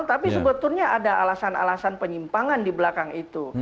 tapi sebetulnya ada alasan alasan penyimpangan di belakang itu